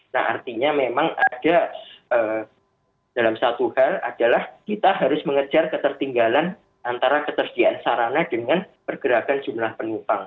nah artinya memang ada dalam satu hal adalah kita harus mengejar ketertinggalan antara ketersediaan sarana dengan pergerakan jumlah penumpang